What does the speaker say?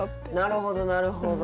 なるほどなるほど。